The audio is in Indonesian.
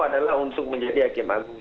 adalah untuk menjadi hakim agung